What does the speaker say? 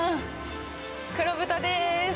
黒豚です。